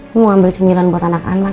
aku mau ambil cemilan buat anak anak